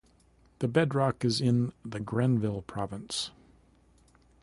The bedrock is in the Grenville Province.